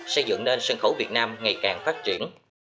xây dựng nên sân khấu việt nam ngày càng phát triển